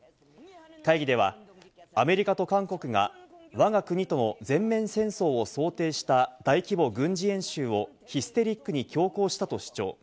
会議ではアメリカと韓国がわが国との全面戦争を想定した大規模軍事演習をヒステリックに強行したと主張。